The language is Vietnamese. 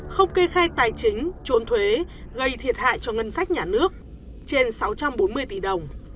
không kê khai tài chính trốn thuế gây thiệt hại cho ngân sách nhà nước trên sáu trăm bốn mươi tỷ đồng